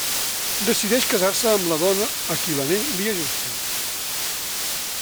Decideix casar-se amb la dona a qui l'anell li ajusti.